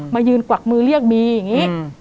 มายืนกวักมือเรียกมีอย่างนี้